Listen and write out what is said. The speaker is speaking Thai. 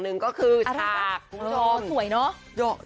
หนึ่งก็คือดูโอ้หนูเนาะ